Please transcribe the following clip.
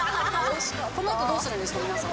このあと、どうするんですか、皆さん。